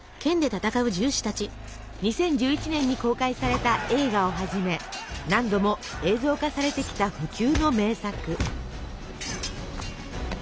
２０１１年に公開された映画をはじめ何度も映像化されてきた不朽の名作。